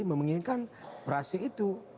meminginkan prase itu